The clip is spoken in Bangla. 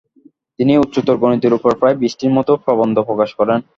তিনি উচ্চতর গণিতের ওপর প্রায় বিশটির মতো প্রবন্ধ প্রকাশ করেন।